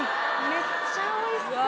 めっちゃおいしそう。